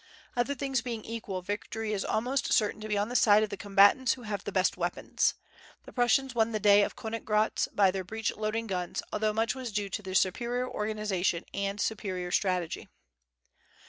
Other things being equal, victory is almost certain to be on the side of the combatants who have the best weapons. The Prussians won the day of Königgrätz by their breech loading guns, although much was due to their superior organization and superior strategy.